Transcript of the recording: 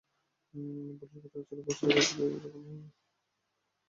Police ঘটনাস্থলে পৌঁছার আগেই কোপে জখম হওয়া তাঁর দুই সন্তান মারা যায়।